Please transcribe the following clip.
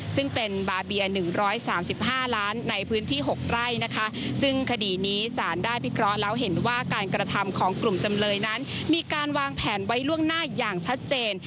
ซึ่งเป็นบาเบีย๑๓๕ล้านในพื้นที่๖ไร่นะคะซึ่งคดีนี้สารได้พิเคราะห์แล้วเห็นว่าการกระทำของกลุ่มจำเลยนั้นมีการวางแผนไว้ล่วงหน้าอย่างชัดเจน